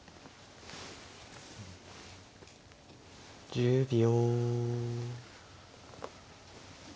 １０秒。